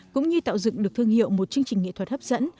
cũng như tạo dựng được thương hiệu một chương trình nghệ thuật hấp dẫn